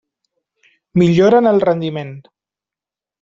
Millora en el rendiment.